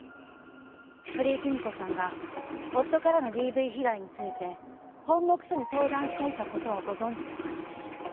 鳥居貴美子さんが夫からのＤＶ被害について本牧署に相談していた事はご存じですか？